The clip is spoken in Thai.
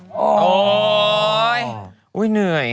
เห้ยเหนื่อย